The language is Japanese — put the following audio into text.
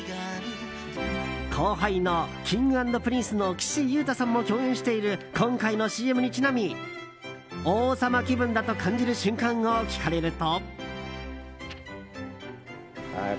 後輩のＫｉｎｇ＆Ｐｒｉｎｃｅの岸優太さんも共演している今回のＣＭにちなみ王様気分だと感じる瞬間を聞かれると。